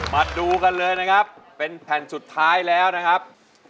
มาดูกันเลยนะครับเป็นแผ่นสุดท้ายแล้วนะครับ